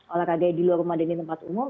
olahraga di luar rumah dan di tempat umum